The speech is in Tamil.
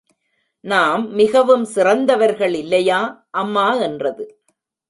நாம் மிகவும் சிறந்தவர்கள் இல்லையா, அம்மா என்றது.